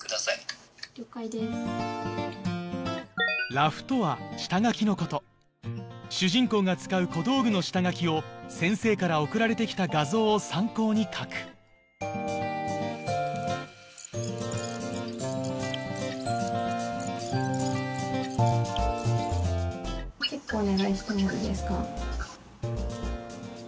ラフとは下描きのこと主人公が使う小道具の下描きを先生から送られて来た画像を参考に描くチェックお願いしてもいいですか。